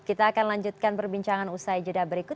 kita akan lanjutkan perbincangan usai jeda berikut